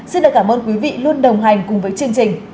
xin cảm ơn quý vị luôn đồng hành cùng với chương trình